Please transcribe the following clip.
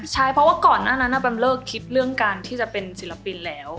ใช่เพราะว่าก่อนหน้านั้นแบมเลิกคิดเรื่องการที่จะเป็นศิลปินแล้ว